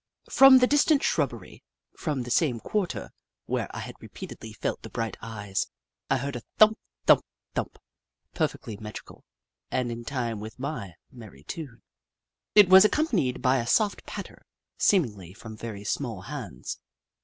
From the distant shrubbery, from the same quarter where I had repeatedly felt the bright eyes, I heard a thump thump thump, perfectly metrical, and in time with my merry tune. It was accompanied by a soft patter, seemingly from very small hands.